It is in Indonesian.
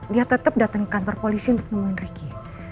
dia tetep dateng ke kantor polisi untuk nemuin ricky